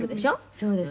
「そうです」